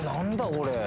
これ。